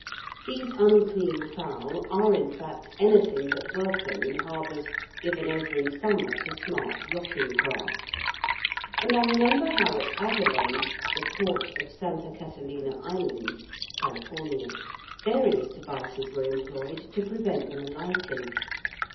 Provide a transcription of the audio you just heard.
These unclean fowl are in fact anything but welcome in harbours given over in summer to smart yachting craft; and I remember how at Avalon, the port of Santa Catalina Island (Cal.), various devices were employed to prevent them alighting.